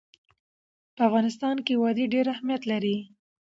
په افغانستان کې وادي ډېر اهمیت لري.